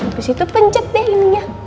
habis itu pencet deh ininya